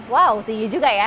wow tinggi juga ya